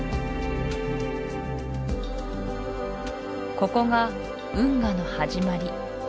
ここが運河の始まり